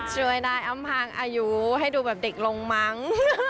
ช่วยได้อำพางอายุให้ดูแบบเด็กลงมั้ง